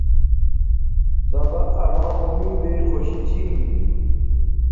سبق اما امیدݵ خوشی چھی